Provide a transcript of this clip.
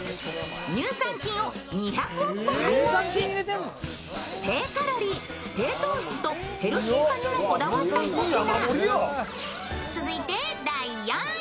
乳酸菌を２００億個配合し低カロリー、低糖質とヘルシーさにもこだわったひと品。